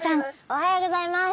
おはようございます。